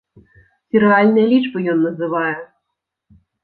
Ці рэальныя лічбы ён называе?